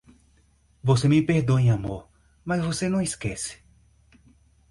Você me perdoa em amor, mas você não esquece.